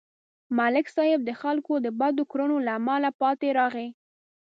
ملک صاحب د خلکو د بدو کړنو له امله پاتې راغی.